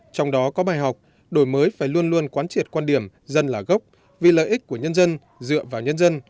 trong đó có bài học đổi mới phải luôn luôn quán triệt quan điểm dân là gốc vì lợi ích của nhân dân dựa vào nhân dân